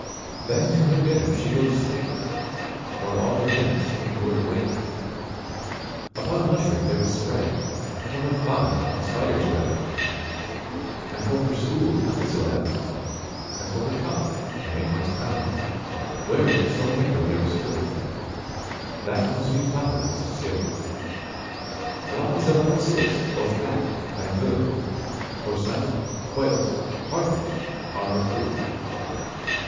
Then to her dinner she goes straight, Where all her imps in order wait. Upon a mushroom there is spreadA cover fine of spiders web; And for her stool a thistle down; And for her cup an acorn's crown, Wherein strong nectar there is filled, That from sweet flower is distilled. Flies of all sorts both fat and good, For snipe, quail, partridge are her food.